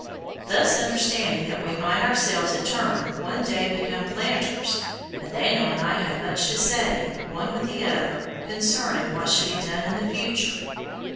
Thus understanding that we might ourselves in turn one day become planters, Nathaniel and I had much to say, one with the other, concerning what should be done in the future.